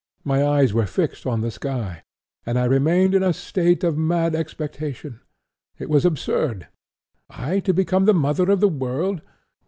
My eyes were fixed on the sky, and I remained in a state of mad expectation. It was absurd. I to become the mother of the World!